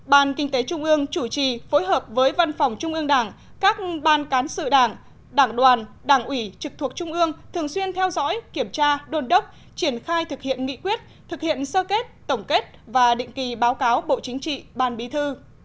một ban kinh tế trung ương chủ trì phối hợp với văn phòng trung ương đảng các ban cán sự đảng đảng đoàn đảng ủy trực thuộc trung ương thường xuyên theo dõi kiểm tra đôn đốc triển khai thực hiện nghị quyết thực hiện sơ kết tổng kết và định kỳ báo cáo bộ chính trị ban bí thư